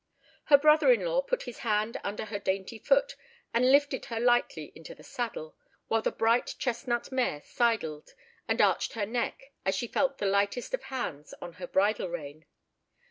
Her brother in law put his hand under her dainty foot, and lifted her lightly into the saddle, while the bright chestnut mare sidled, and arched her neck, as she felt the lightest of hands on her bridle rein.